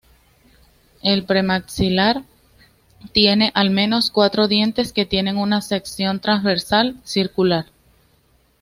El premaxilar tiene al menos cuatro dientes que tienen una sección transversal circular.